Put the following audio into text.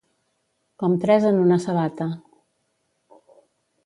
Com tres en una sabata.